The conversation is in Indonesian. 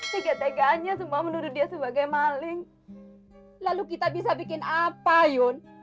tega teganya semua menurut dia sebagai maling lalu kita bisa bikin apa yun